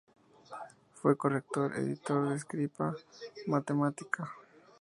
Fue corrector-editor de "Scripta Mathematica".